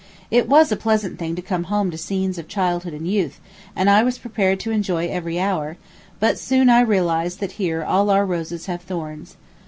It was a pleasant thing to come home to scenes of childhood and youth, and I was prepared to enjoy every hour; but I soon realized that here all our roses have thorns.